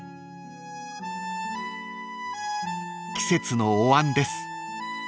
［季節のおわんです］